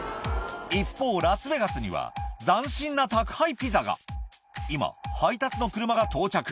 一方ラスベガスには斬新な宅配ピザが今配達の車が到着